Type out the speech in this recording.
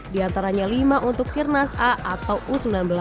diantaranya lima untuk sirnas a atau u sembilan belas